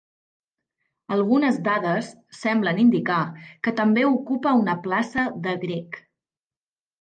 Algunes dades semblen indicar que també ocupa una plaça de Grec.